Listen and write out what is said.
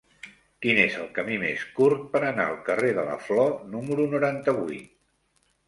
Quin és el camí més curt per anar al carrer de la Flor número noranta-vuit?